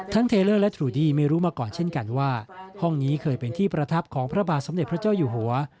เทเลอร์และทรูดี้ไม่รู้มาก่อนเช่นกันว่าห้องนี้เคยเป็นที่ประทับของพระบาทสมเด็จพระเจ้าอยู่หัว